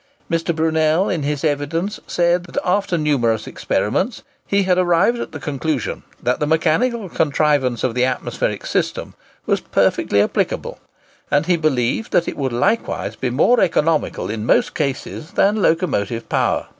Mr. Brunel, in his evidence, said that after numerous experiments, he had arrived at the conclusion that the mechanical contrivance of the atmospheric system was perfectly applicable, and he believed that it would likewise be more economical in most cases than locomotive power.